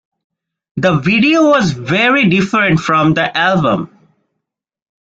The video was very different from the album.